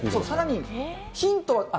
さらに、ヒントは。